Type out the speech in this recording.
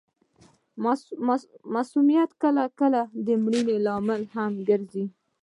مسمومیت کله نا کله د مړینې لامل هم ګرځي.